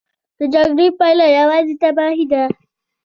د جګړې پایله یوازې تباهي ده.